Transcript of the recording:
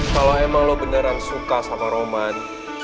kalau emang lo beneran suka sama roman